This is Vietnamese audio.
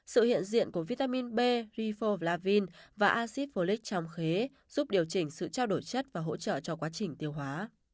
sự hiện diện của vitamin b rifol lavin và acid folic trong khế giúp điều chỉnh sự trao đổi chất và hỗ trợ cho quá trình tiêu hóa